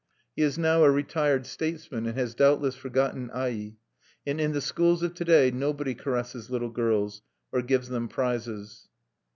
He is now a retired statesman, and has doubtless forgotten Ai; and in the schools of to day nobody caresses little girls, or gives them prizes.